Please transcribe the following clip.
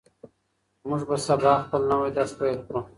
موږ به سبا خپل نوی درس پیل کړو.